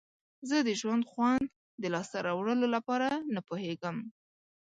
زه د ژوند خوند د لاسته راوړلو لپاره نه پوهیږم.